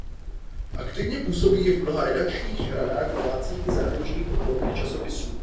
Aktivně působí i v mnoha redakčních radách domácích i zahraničních odborných časopisů.